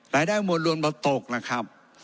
รายได้รวมรวมประตกนะครับ